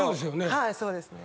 はいそうですね。